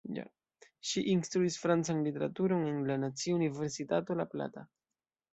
Ŝi instruis francan literaturon en la Nacia Universitato La Plata.